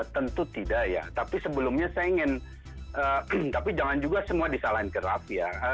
tentu tidak ya tapi sebelumnya saya ingin tapi jangan juga semua disalahin ke draft ya